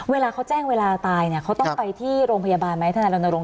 เวลาเขาแจ้งเวลาตายเนี่ยเขาต้องไปที่โรงพยาบาลไหมธนายรณรงค